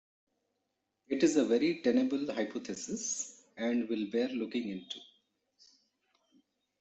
It is a very tenable hypothesis, and will bear looking into.